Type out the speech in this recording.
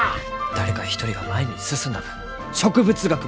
誰か一人が前に進んだ分植物学も前に進む！